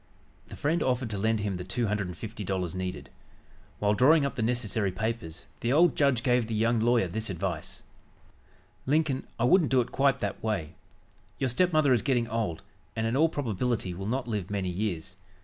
The friend offered to lend him the two hundred and fifty dollars needed. While drawing up the necessary papers, the old judge gave the young lawyer this advice: "Lincoln, I wouldn't do it quite that way. Your stepmother is getting old, and, in all probability, will not live many years.